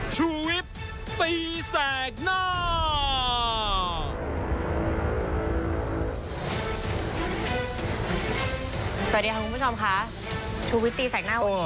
ชุวิตตีแสงหน้าวันนี้